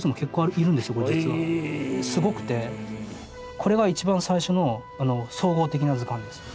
これが一番最初の総合的な図鑑です。